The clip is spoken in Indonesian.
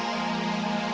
kayaknya dia ada di situ